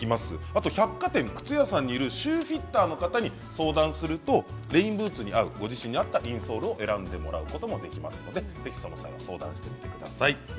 あと百貨店や靴屋さんにいるシューフィッターの方に相談するとレインブーツに合うインソールを選んでもらうことができますのでぜひとも相談してみてください。